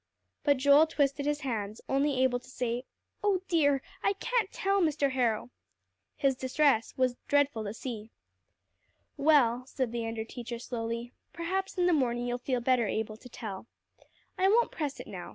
But Joel twisted his hands, only able to say, "Oh dear! I can't tell, Mr. Harrow." His distress was dreadful to see. "Well," said the under teacher slowly, "perhaps in the morning you'll feel better able to tell. I won't press it now.